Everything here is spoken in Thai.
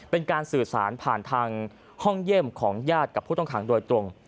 เป็นการสื่อสารผ่านทางห้องเยี่ยมของญาติกับผู้ต้องขังโดยตรง